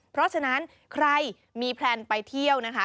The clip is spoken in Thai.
เพราะฉะนั้นใครมีแพลนไปเที่ยวนะคะ